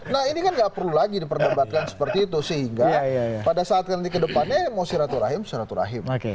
nah ini kan gak perlu lagi di perdebatkan seperti itu sehingga pada saat nanti ke depannya mau silaturahim silaturahim